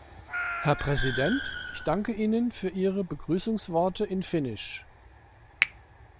Herr Präsident, ich danke Ihnen für ihre Begrüßungsworte in Finnisch.